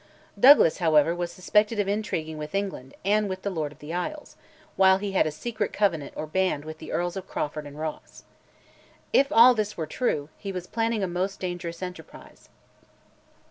Douglas, however, was suspected of intriguing with England and with the Lord of the Isles, while he had a secret covenant or "band" with the Earls of Crawford and Ross. If all this were true, he was planning a most dangerous enterprise.